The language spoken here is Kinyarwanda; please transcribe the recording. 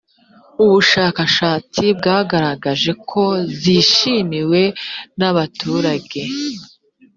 ubushakashatsi bwagaragaje ko zishimiwe n abaturage.